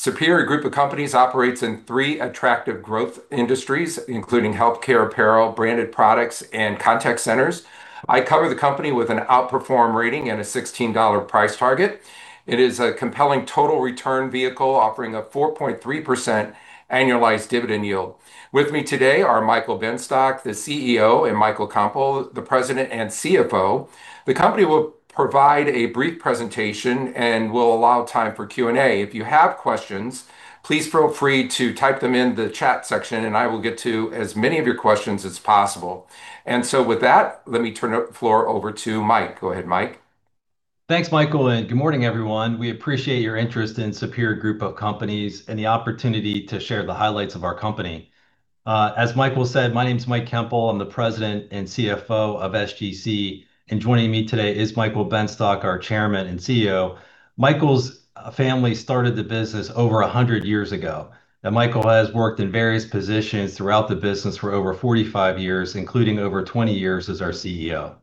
Superior Group of Companies operates in three attractive growth industries, including healthcare apparel, branded products, and contact centers. I cover the company with an outperform rating and a $16 price target. It is a compelling total return vehicle offering a 4.3% annualized dividend yield. With me today are Michael Benstock, the CEO, and Michael Koempel, the President and CFO. The company will provide a brief presentation. We'll allow time for Q&A. If you have questions, please feel free to type them in the chat section. I will get to as many of your questions as possible. With that, let me turn the floor over to Mike. Go ahead, Mike. Thanks, Michael. Good morning, everyone. We appreciate your interest in Superior Group of Companies and the opportunity to share the highlights of our company. As Michael said, my name's Mike Koempel, I'm the President and CFO of SGC, and joining me today is Michael Benstock, our Chairman and CEO. Michael's family started the business over 100 years ago, and Michael has worked in various positions throughout the business for over 45 years, including over 20 years as our CEO.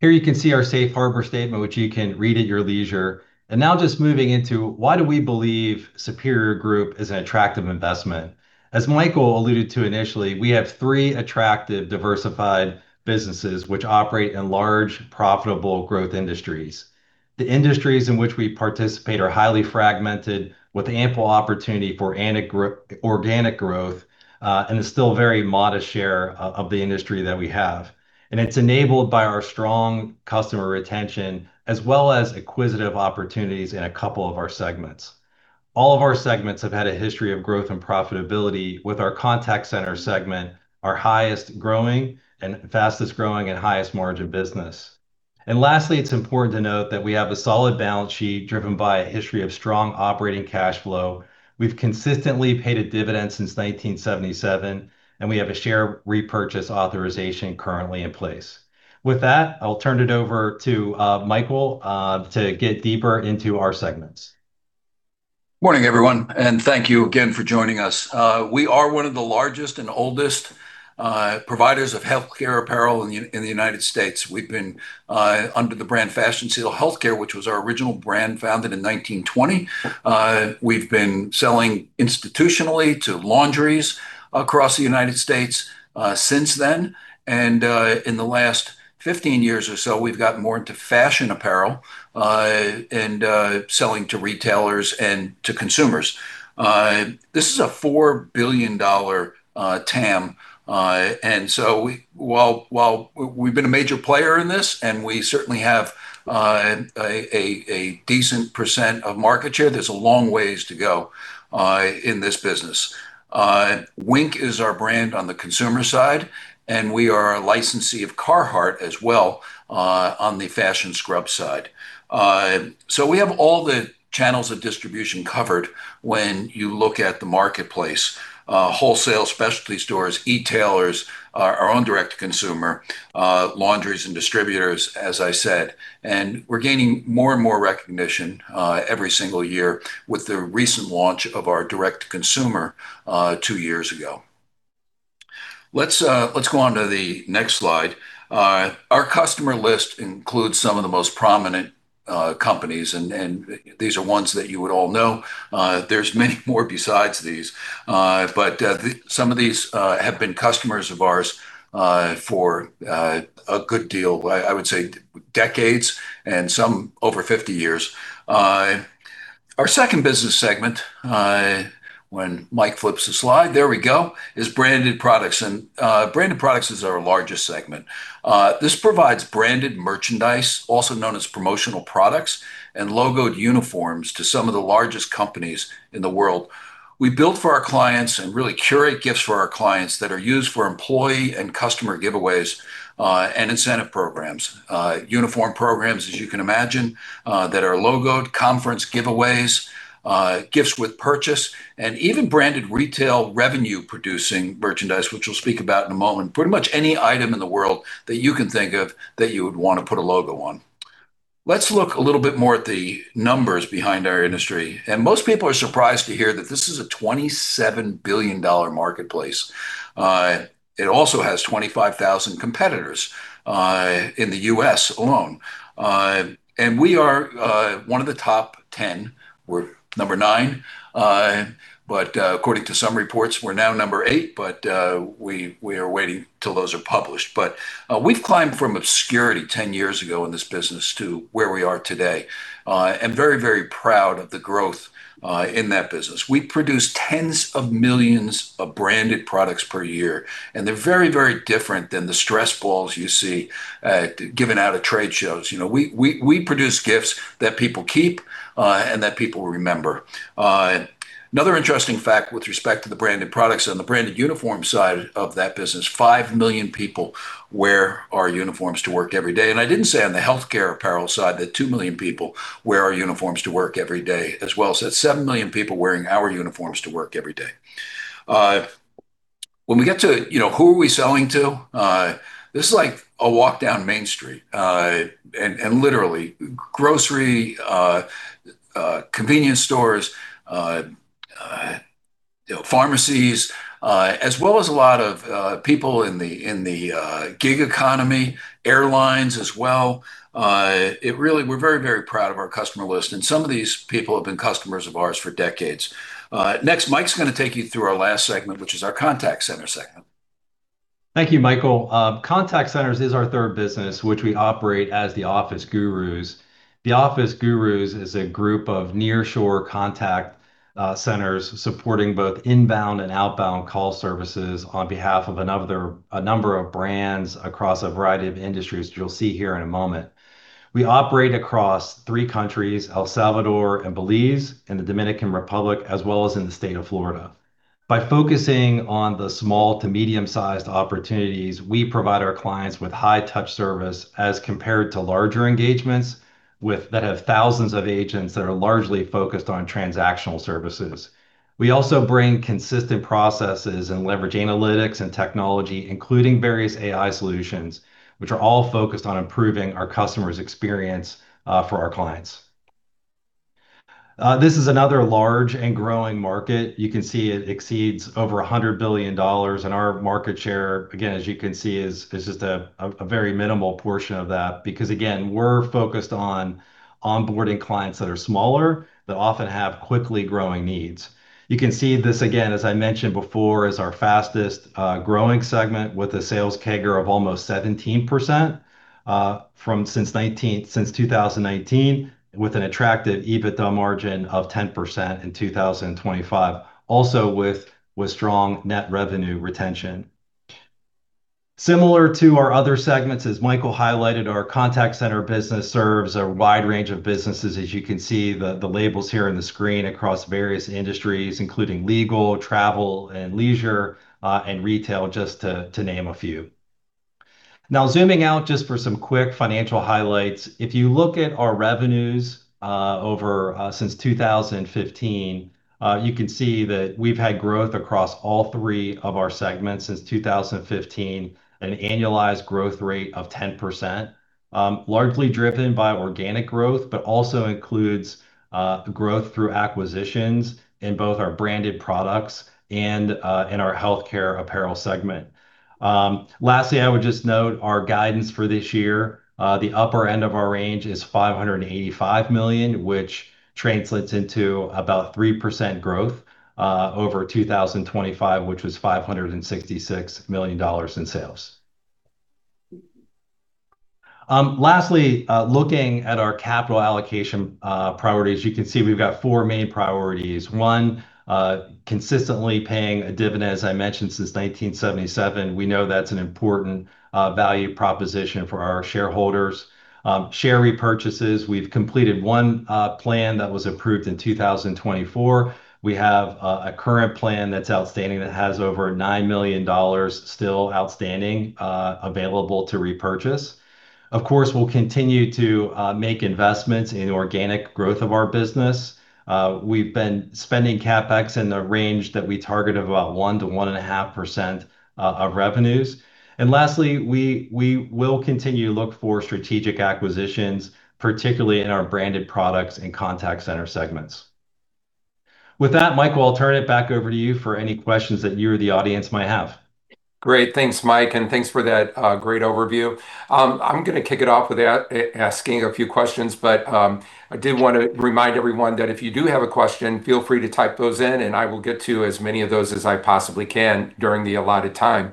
Here you can see our safe harbor statement, which you can read at your leisure. Now just moving into why do we believe Superior Group is an attractive investment. As Michael alluded to initially, we have three attractive, diversified businesses which operate in large, profitable growth industries. The industries in which we participate are highly fragmented with ample opportunity for organic growth, and a still very modest share of the industry that we have. It's enabled by our strong customer retention as well as acquisitive opportunities in a couple of our segments. All of our segments have had a history of growth and profitability with our Contact Center segment, our highest growing, and fastest growing, and highest margin business. Lastly, it's important to note that we have a solid balance sheet driven by a history of strong operating cash flow. We've consistently paid a dividend since 1977, and we have a share repurchase authorization currently in place. With that, I will turn it over to Michael, to get deeper into our segments. Morning, everyone, thank you again for joining us. We are one of the largest and oldest providers of healthcare apparel in the United States. We've been under the brand Fashion Seal Healthcare, which was our original brand, founded in 1920. We've been selling institutionally to laundries across the United States since then, and in the last 15 years or so, we've gotten more into fashion apparel, and selling to retailers and to consumers. This is a $4 billion TAM, and so while we've been a major player in this, and we certainly have a decent percent of market share, there's a long ways to go in this business. Wink is our brand on the consumer side, and we are a licensee of Carhartt as well on the fashion scrub side. We have all the channels of distribution covered when you look at the marketplace. Wholesale specialty stores, e-tailers, our own direct-to-consumer, laundries and distributors, as I said, we're gaining more and more recognition every single year with the recent launch of our direct-to-consumer two years ago. Let's go on to the next slide. Our customer list includes some of the most prominent companies. These are ones that you would all know. There's many more besides these. Some of these have been customers of ours for a good deal, I would say decades. Some over 50 years. Our second business segment, when Mike flips the slide, there we go, is branded products. Branded products is our largest segment. This provides branded merchandise, also known as promotional products, and logoed uniforms to some of the largest companies in the world. We build for our clients and really curate gifts for our clients that are used for employee and customer giveaways, and incentive programs. Uniform programs, as you can imagine, that are logoed, conference giveaways, gifts with purchase, and even branded retail revenue-producing merchandise, which we'll speak about in a moment. Pretty much any item in the world that you can think of that you would want to put a logo on. Let's look a little bit more at the numbers behind our industry. Most people are surprised to hear that this is a $27 billion marketplace. It also has 25,000 competitors in the U.S. alone. We are one of the top 10. We're number nine, but according to some reports, we're now number eight, but we are waiting till those are published. We've climbed from obscurity 10 years ago in this business to where we are today. Very, very proud of the growth in that business. We produce tens of millions of branded products per year, and they're very, very different than the stress balls you see given out at trade shows. We produce gifts that people keep, and that people remember. Another interesting fact with respect to the branded products, on the branded uniform side of that business, 5 million people wear our uniforms to work every day. I didn't say on the healthcare apparel side that 2 million people wear our uniforms to work every day as well. That's 7 million people wearing our uniforms to work every day. When we get to who are we selling to, this is like a walk down Main Street, and literally grocery, convenience stores, pharmacies, as well as a lot of people in the gig economy, airlines as well. We're very, very proud of our customer list, and some of these people have been customers of ours for decades. Next, Mike's going to take you through our last segment, which is our contact center segment. Thank you, Michael. Contact centers is our third business, which we operate as The Office Gurus. The Office Gurus is a group of nearshore contact centers supporting both inbound and outbound call services on behalf of a number of brands across a variety of industries that you'll see here in a moment. We operate across three countries, El Salvador and Belize, and the Dominican Republic, as well as in the state of Florida. By focusing on the small to medium-sized opportunities, we provide our clients with high touch service as compared to larger engagements that have thousands of agents that are largely focused on transactional services. We also bring consistent processes and leverage analytics and technology, including various AI solutions, which are all focused on improving our customer's experience for our clients. This is another large and growing market. You can see it exceeds over $100 billion. Our market share, again, as you can see, is just a very minimal portion of that because, again, we're focused on onboarding clients that are smaller, that often have quickly growing needs. You can see this, again, as I mentioned before, as our fastest growing segment with a sales CAGR of almost 17% since 2018, with an attractive EBITDA margin of 10% in 2025, also with strong net revenue retention. Similar to our other segments, as Michael highlighted, our contact center business serves a wide range of businesses, as you can see the labels here on the screen across various industries, including legal, travel, and leisure, and retail, just to name a few. Zooming out just for some quick financial highlights. If you look at our revenues since 2015, you can see that we've had growth across all three of our segments since 2015, an annualized growth rate of 10%, largely driven by organic growth, but also includes growth through acquisitions in both our branded products and in our healthcare apparel segment. I would just note our guidance for this year. The upper end of our range is $585 million, which translates into about 3% growth, over 2025, which was $566 million in sales. Looking at our capital allocation priorities, you can see we've got four main priorities. One, consistently paying a dividend, as I mentioned, since 1977. We know that's an important value proposition for our shareholders. Share repurchases. We've completed one plan that was approved in 2024. We have a current plan that's outstanding that has over $9 million still outstanding, available to repurchase. Of course, we'll continue to make investments in the organic growth of our business. We've been spending CapEx in the range that we target of about 1%-1.5% of revenues. Lastly, we will continue to look for strategic acquisitions, particularly in our branded products and contact center segments. With that, Michael, I'll turn it back over to you for any questions that you or the audience might have. Great. Thanks, Mike, and thanks for that great overview. I did want to remind everyone that if you do have a question, feel free to type those in, and I will get to as many of those as I possibly can during the allotted time.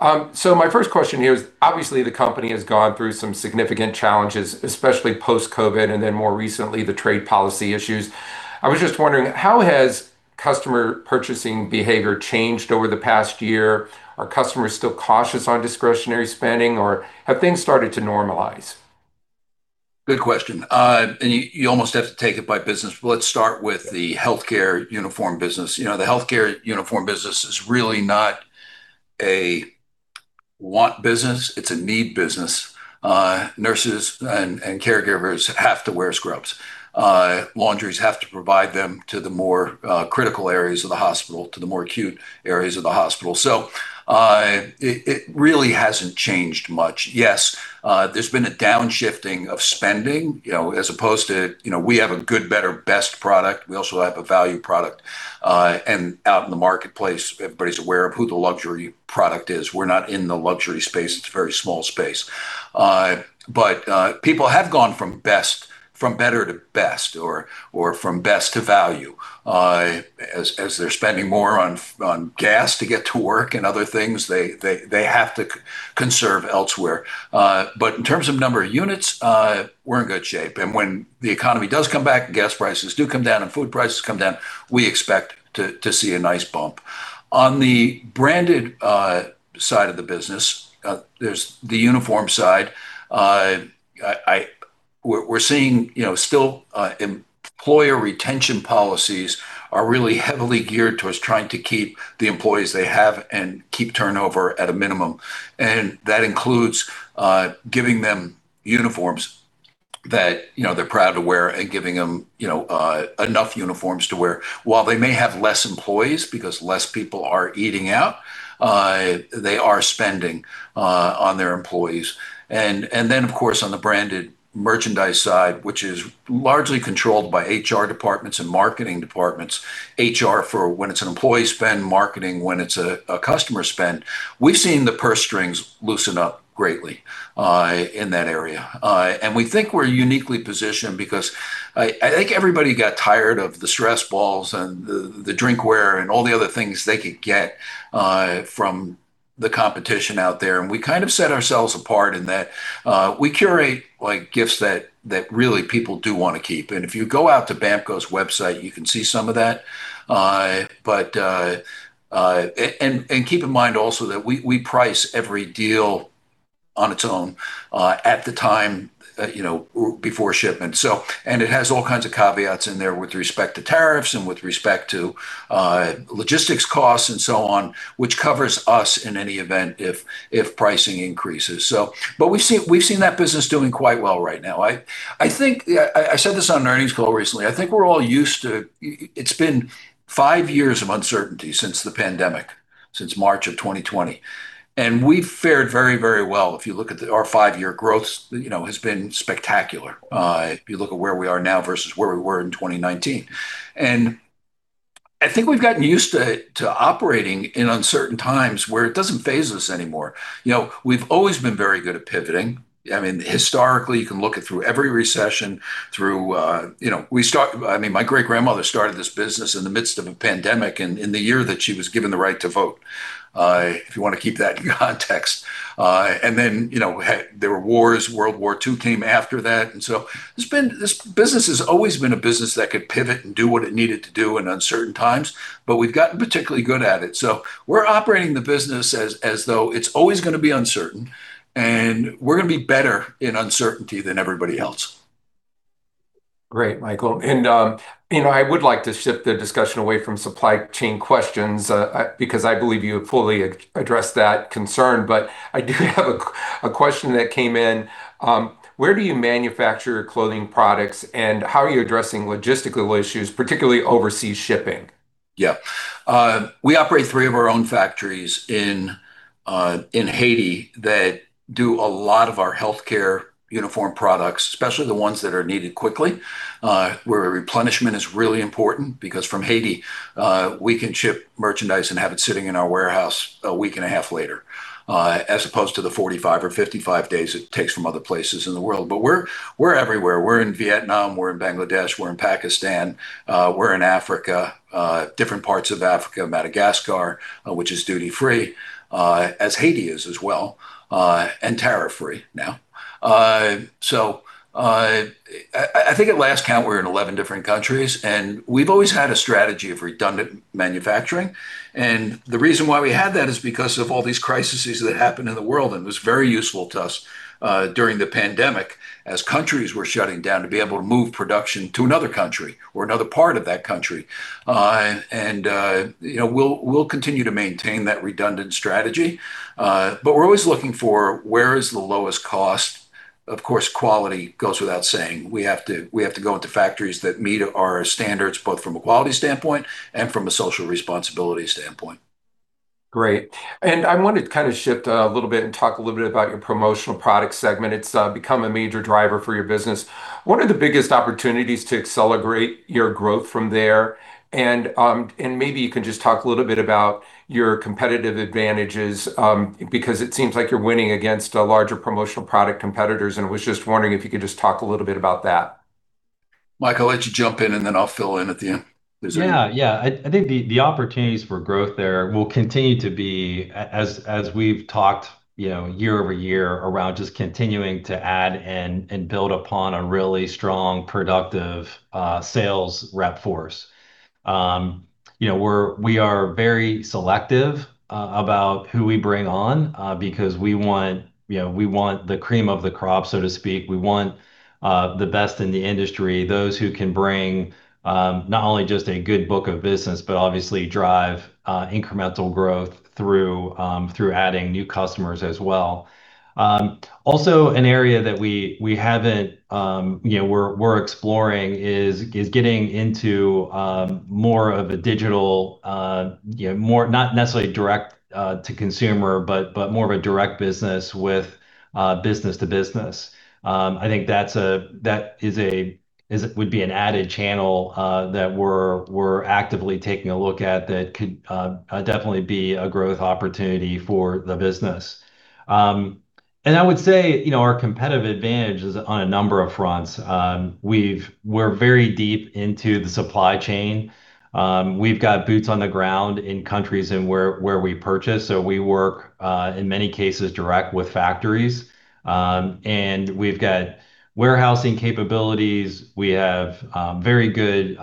My first question here is, obviously, the company has gone through some significant challenges, especially post-COVID, and then more recently, the trade policy issues. I was just wondering, how has customer purchasing behavior changed over the past year? Are customers still cautious on discretionary spending, or have things started to normalize? Good question. You almost have to take it by business. Let's start with the healthcare uniform business. The healthcare uniform business is really not a want business. It's a need business. Nurses and caregivers have to wear scrubs. Laundries have to provide them to the more critical areas of the hospital, to the more acute areas of the hospital. It really hasn't changed much. Yes, there's been a downshifting of spending, as opposed to we have a good, better, best product. We also have a value product. Out in the marketplace, everybody's aware of who the luxury product is. We're not in the luxury space. It's a very small space. People have gone from better to best or from best to value, as they're spending more on gas to get to work and other things, they have to conserve elsewhere. In terms of number of units, we're in good shape. When the economy does come back, gas prices do come down, and food prices come down, we expect to see a nice bump. On the branded side of the business, there's the uniform side. We're seeing still employer retention policies are really heavily geared towards trying to keep the employees they have and keep turnover at a minimum. That includes giving them uniforms. that they're proud to wear and giving them enough uniforms to wear. While they may have less employees because less people are eating out, they are spending on their employees. Of course, on the branded merchandise side, which is largely controlled by HR departments and marketing departments, HR for when it's an employee spend, marketing when it's a customer spend. We've seen the purse strings loosen up greatly in that area. We think we're uniquely positioned because I think everybody got tired of the stress balls and the drinkware and all the other things they could get from the competition out there, and we kind of set ourselves apart in that we curate gifts that really people do want to keep. If you go out to BAMKO's website, you can see some of that. Keep in mind also that we price every deal on its own at the time before shipment. It has all kinds of caveats in there with respect to tariffs and with respect to logistics costs and so on, which covers us, in any event, if pricing increases. We've seen that business doing quite well right now. I said this on earnings call recently. It's been five years of uncertainty since the pandemic, since March of 2020, and we've fared very, very well. If you look at our five-year growth, it has been spectacular, if you look at where we are now versus where we were in 2019. I think we've gotten used to operating in uncertain times where it doesn't phase us anymore. We've always been very good at pivoting. Historically, you can look at through every recession. My great-grandmother started this business in the midst of a pandemic, in the year that she was given the right to vote, if you want to keep that in context. There were wars. World War II came after that. This business has always been a business that could pivot and do what it needed to do in uncertain times, but we've gotten particularly good at it. We're operating the business as though it's always going to be uncertain, and we're going to be better in uncertainty than everybody else. Great, Michael. I would like to shift the discussion away from supply chain questions, because I believe you have fully addressed that concern. I do have a question that came in. Where do you manufacture your clothing products, and how are you addressing logistical issues, particularly overseas shipping? Yeah. We operate three of our own factories in Haiti that do a lot of our healthcare uniform products, especially the ones that are needed quickly, where replenishment is really important. From Haiti, we can ship merchandise and have it sitting in our warehouse a week and a half later, as opposed to the 45 or 55 days it takes from other places in the world. We're everywhere. We're in Vietnam, we're in Bangladesh, we're in Pakistan, we're in Africa, different parts of Africa, Madagascar, which is duty free, as Haiti is as well, and tariff free now. I think at last count, we were in 11 different countries, and we've always had a strategy of redundant manufacturing. The reason why we had that is because of all these crises that happened in the world, and it was very useful to us during the pandemic as countries were shutting down to be able to move production to another country or another part of that country. We'll continue to maintain that redundant strategy, but we're always looking for where is the lowest cost. Of course, quality goes without saying. We have to go into factories that meet our standards, both from a quality standpoint and from a social responsibility standpoint. Great. I want to kind of shift a little bit and talk a little bit about your promotional product segment. It's become a major driver for your business. What are the biggest opportunities to accelerate your growth from there? Maybe you can just talk a little bit about your competitive advantages, because it seems like you're winning against larger promotional product competitors, and I was just wondering if you could just talk a little bit about that. Mike, I'll let you jump in, and then I'll fill in at the end. I think the opportunities for growth there will continue to be, as we've talked year-over-year around just continuing to add and build upon a really strong, productive sales rep force. We are very selective about who we bring on, because we want the cream of the crop, so to speak. We want the best in the industry, those who can bring not only just a good book of business, but obviously drive incremental growth through adding new customers as well. Also, an area that we're exploring is getting into more of a digital, not necessarily direct-to-consumer, but more of a direct business with business-to-business. I think that would be an added channel that we're actively taking a look at that could definitely be a growth opportunity for the business. I would say our competitive advantage is on a number of fronts. We're very deep into the supply chain. We've got boots on the ground in countries where we purchase. We work, in many cases, direct with factories. We've got warehousing capabilities. We have very good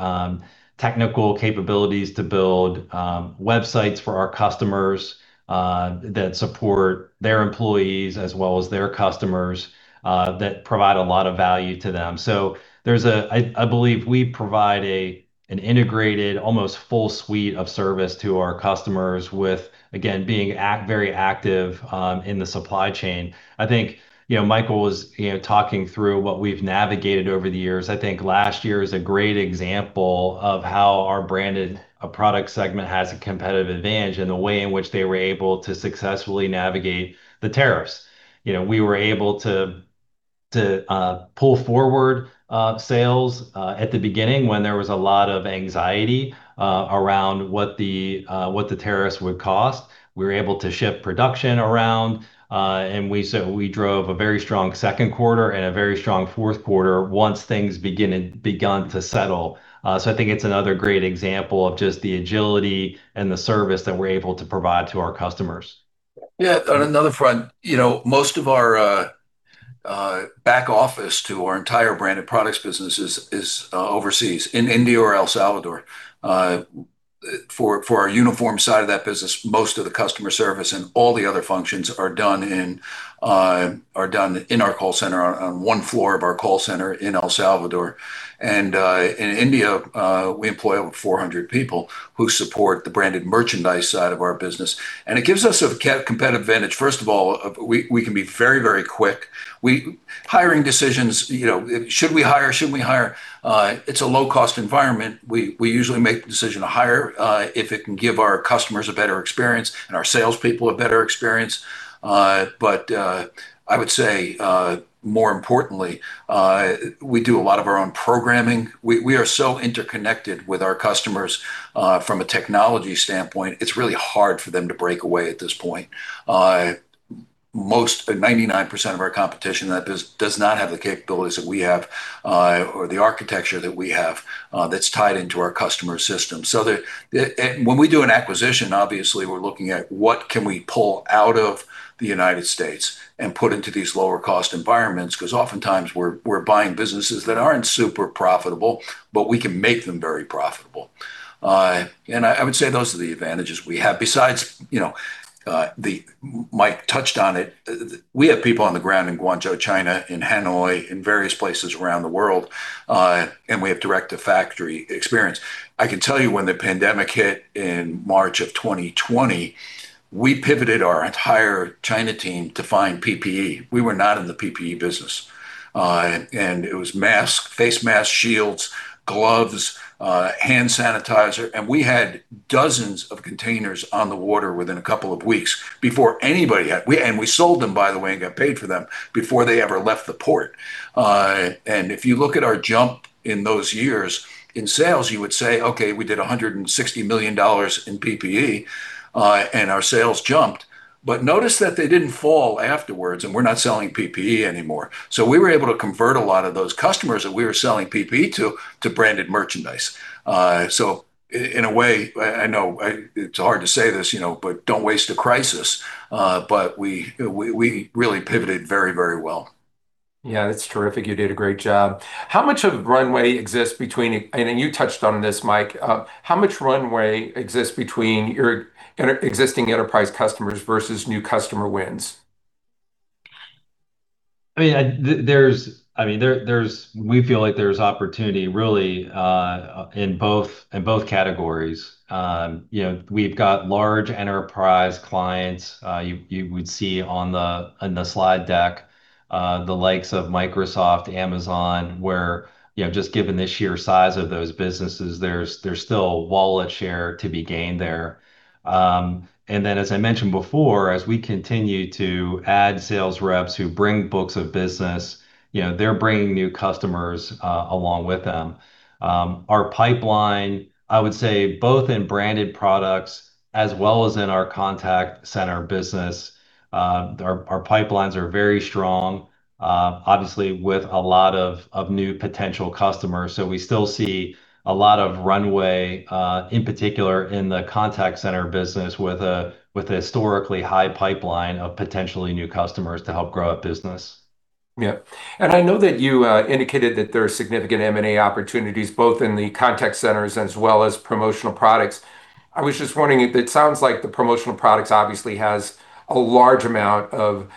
technical capabilities to build websites for our customers that support their employees as well as their customers that provide a lot of value to them. I believe we provide an integrated, almost full suite of service to our customers with, again, being very active in the supply chain. I think Michael was talking through what we've navigated over the years. I think last year is a great example of how our branded products segment has a competitive advantage in the way in which they were able to successfully navigate the tariffs. We were able to pull forward sales at the beginning when there was a lot of anxiety around what the tariffs would cost. We were able to ship production around. We drove a very strong second quarter and a very strong fourth quarter once things begun to settle. I think it's another great example of just the agility and the service that we're able to provide to our customers. Yeah. On another front, most of our back office to our entire branded products business is overseas in India or El Salvador. For our uniform side of that business, most of the customer service and all the other functions are done in our contact center, on one floor of our contact center in El Salvador. In India, we employ over 400 people who support the branded merchandise side of our business, and it gives us a competitive advantage. First of all, we can be very quick. Hiring decisions, should we hire, shouldn't we hire? It's a low-cost environment. We usually make the decision to hire, if it can give our customers a better experience and our salespeople a better experience. I would say, more importantly, we do a lot of our own programming. We are so interconnected with our customers from a technology standpoint, it's really hard for them to break away at this point. 99% of our competition does not have the capabilities that we have, or the architecture that we have that's tied into our customer system. When we do an acquisition, obviously we're looking at what can we pull out of the U.S. and put into these lower-cost environments. Oftentimes we're buying businesses that aren't super profitable, but we can make them very profitable. I would say those are the advantages we have. Besides, Mike touched on it, we have people on the ground in Guangzhou, China, in Hanoi, in various places around the world, and we have direct-to-factory experience. I can tell you when the pandemic hit in March of 2020, we pivoted our entire China team to find PPE. We were not in the PPE business. It was masks, face masks, shields, gloves, hand sanitizer, and we had dozens of containers on the water within a couple of weeks before anybody. We sold them, by the way, and got paid for them before they ever left the port. If you look at our jump in those years in sales, you would say, "Okay, we did $160 million in PPE, and our sales jumped." Notice that they didn't fall afterwards, and we're not selling PPE anymore. We were able to convert a lot of those customers that we were selling PPE to branded merchandise. In a way, I know it's hard to say this, but don't waste a crisis. We really pivoted very well. That's terrific. You did a great job. How much of runway exists between, and you touched on this, Mike, how much runway exists between your existing enterprise customers versus new customer wins? We feel like there's opportunity, really, in both categories. We've got large enterprise clients. You would see on the slide deck, the likes of Microsoft, Amazon, where just given the sheer size of those businesses, there's still wallet share to be gained there. Then, as I mentioned before, as we continue to add sales reps who bring books of business, they're bringing new customers along with them. Our pipeline, I would say both in branded products as well as in our contact center business, our pipelines are very strong, obviously with a lot of new potential customers. We still see a lot of runway, in particular in the contact center business with a historically high pipeline of potentially new customers to help grow our business. Yeah. I know that you indicated that there are significant M&A opportunities both in the contact centers as well as promotional products. I was just wondering if, it sounds like the promotional products obviously has a large amount of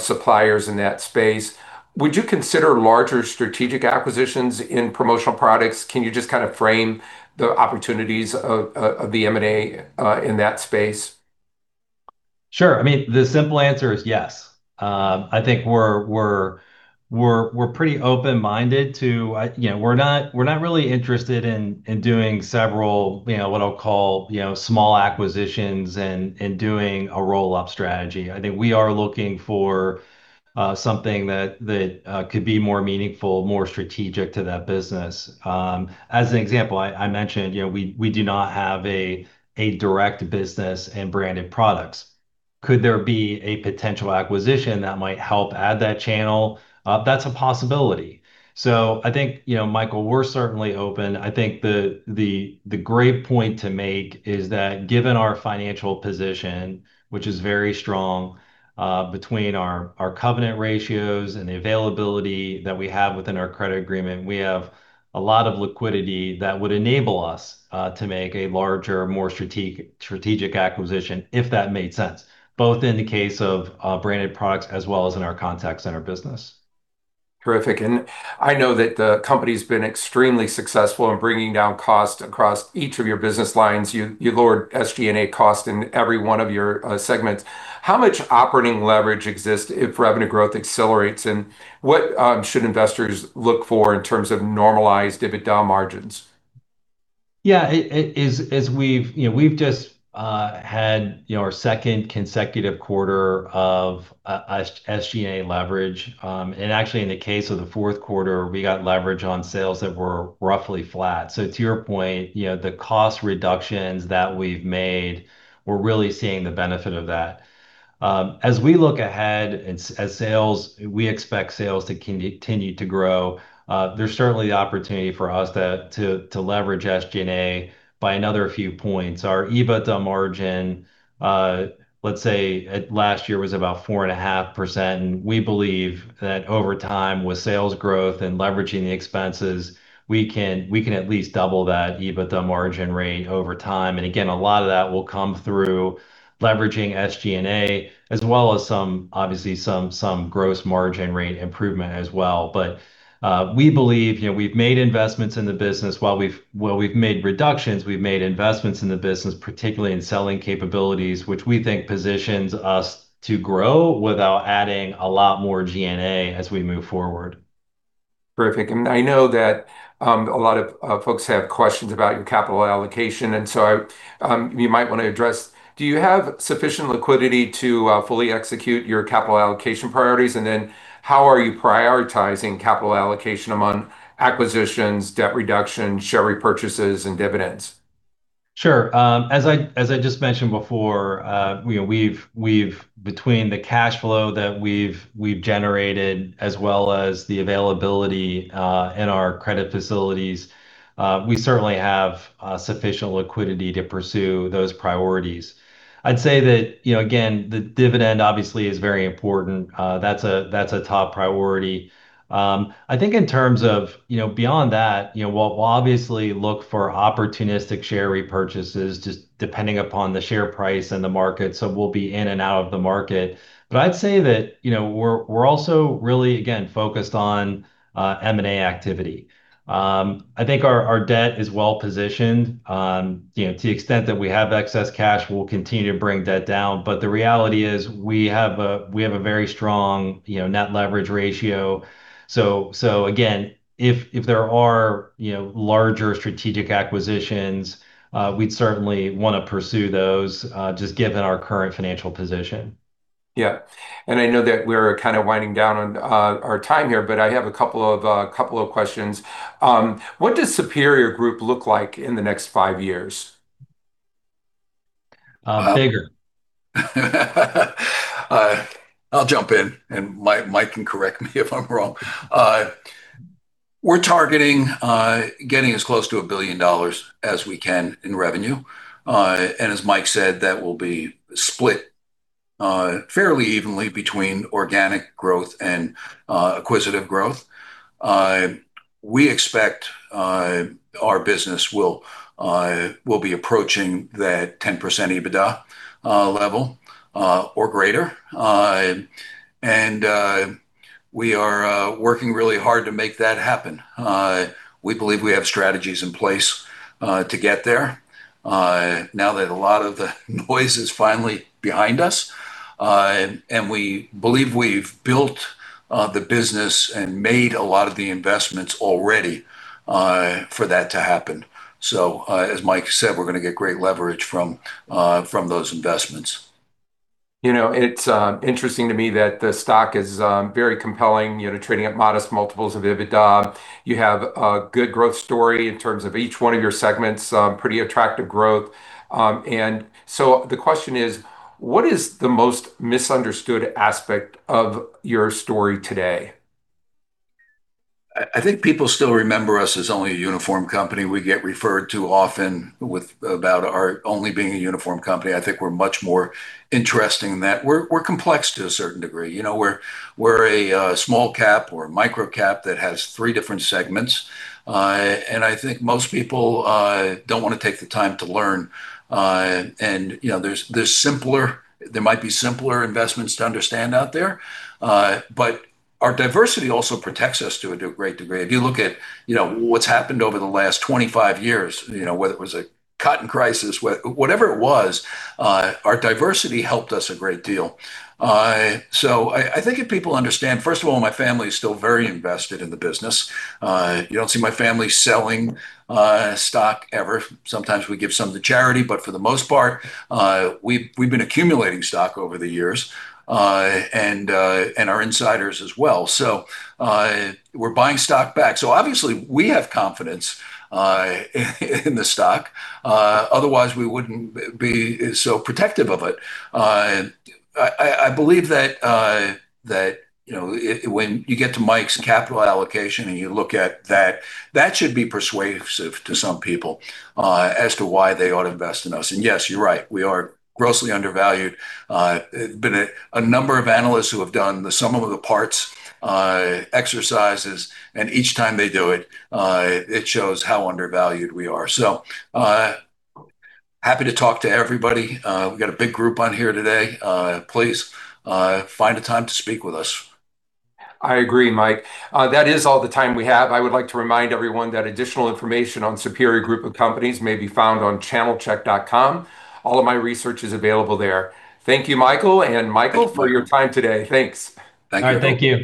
suppliers in that space. Would you consider larger strategic acquisitions in promotional products? Can you just kind of frame the opportunities of the M&A in that space? Sure. The simple answer is yes. I think we're pretty open-minded. We're not really interested in doing several, what I'll call small acquisitions and doing a roll-up strategy. I think we are looking for something that could be more meaningful, more strategic to that business. As an example, I mentioned, we do not have a direct business in branded products. Could there be a potential acquisition that might help add that channel? That's a possibility. I think, Michael, we're certainly open. I think the great point to make is that given our financial position, which is very strong, between our covenant ratios and the availability that we have within our credit agreement, we have a lot of liquidity that would enable us to make a larger, more strategic acquisition, if that made sense, both in the case of branded products as well as in our contact center business. Terrific. I know that the company's been extremely successful in bringing down cost across each of your business lines. You lowered SG&A cost in every one of your segments. How much operating leverage exists if revenue growth accelerates, and what should investors look for in terms of normalized EBITDA margins? Yeah. We've just had our second consecutive quarter of SG&A leverage. Actually, in the case of the fourth quarter, we got leverage on sales that were roughly flat. To your point, the cost reductions that we've made, we're really seeing the benefit of that. As we look ahead, we expect sales to continue to grow. There's certainly the opportunity for us to leverage SG&A by another few points. Our EBITDA margin, let's say last year was about 4.5%, and we believe that over time, with sales growth and leveraging the expenses, we can at least double that EBITDA margin rate over time. Again, a lot of that will come through leveraging SG&A, as well as obviously some gross margin rate improvement as well. We believe we've made investments in the business. While we've made reductions, we've made investments in the business, particularly in selling capabilities, which we think positions us to grow without adding a lot more G&A as we move forward. Perfect. I know that a lot of folks have questions about your capital allocation, you might want to address, do you have sufficient liquidity to fully execute your capital allocation priorities? How are you prioritizing capital allocation among acquisitions, debt reduction, share repurchases, and dividends? Sure. As I just mentioned before, between the cash flow that we've generated as well as the availability in our credit facilities, we certainly have sufficient liquidity to pursue those priorities. I'd say that, again, the dividend obviously is very important. That's a top priority. I think in terms of beyond that, we'll obviously look for opportunistic share repurchases, just depending upon the share price and the market, so we'll be in and out of the market. I'd say that we're also really, again, focused on M&A activity. I think our debt is well-positioned. To the extent that we have excess cash, we'll continue to bring debt down. The reality is we have a very strong net leverage ratio. Again, if there are larger strategic acquisitions, we'd certainly want to pursue those just given our current financial position. Yeah. I know that we're kind of winding down on our time here, but I have a couple of questions. What does Superior Group look like in the next five years? Bigger. I'll jump in. Mike can correct me if I'm wrong. We're targeting getting as close to $1 billion as we can in revenue. As Mike said, that will be split fairly evenly between organic growth and acquisitive growth. We expect our business will be approaching that 10% EBITDA level or greater. We are working really hard to make that happen. We believe we have strategies in place to get there now that a lot of the noise is finally behind us. We believe we've built the business and made a lot of the investments already for that to happen. As Mike said, we're going to get great leverage from those investments. It's interesting to me that the stock is very compelling, trading at modest multiples of EBITDA. You have a good growth story in terms of each one of your segments, pretty attractive growth. The question is: what is the most misunderstood aspect of your story today? I think people still remember us as only a uniform company. We get referred to often about our only being a uniform company. I think we're much more interesting than that. We're complex to a certain degree. We're a small cap or a microcap that has three different segments. I think most people don't want to take the time to learn. There might be simpler investments to understand out there, but our diversity also protects us to a great degree. If you look at what's happened over the last 25 years, whether it was a cotton crisis, whatever it was, our diversity helped us a great deal. I think if people understand, first of all, my family is still very invested in the business. You don't see my family selling stock ever. Sometimes we give some to charity, for the most part, we've been accumulating stock over the years, and our insiders as well. We're buying stock back. Obviously we have confidence in the stock, otherwise we wouldn't be so protective of it. I believe that when you get to Mike's capital allocation and you look at that should be persuasive to some people as to why they ought to invest in us. Yes, you're right, we are grossly undervalued. There have been a number of analysts who have done the sum of the parts exercises, and each time they do it shows how undervalued we are. Happy to talk to everybody. We got a big group on here today. Please find a time to speak with us. I agree, Mike. That is all the time we have. I would like to remind everyone that additional information on Superior Group of Companies may be found on channelchek.com. All of my research is available there. Thank you, Michael and Michael, for your time today. Thanks. Thank you. All right. Thank you.